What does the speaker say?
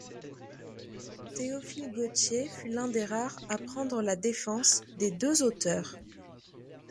Théophile Gautier fut l'un des rares à prendre la défense des deux auteurs.